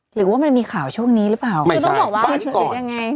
หรือว่ามันมีข่าวช่วงนี้หรือเปล่าไม่ใช่บ้านที่ก่อนหรือยังไง